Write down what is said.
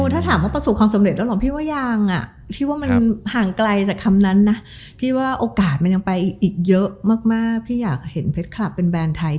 ถ้าถามมันประสบความสำเร็จแล้วหรอ